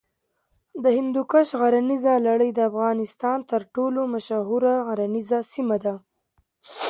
د هندوکش غرنیزه لړۍ د افغانستان تر ټولو مشهوره غرنیزه سیمه ده.